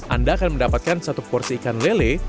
anda akan mendapatkan satu porsi ikan lele